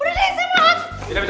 udah desain banget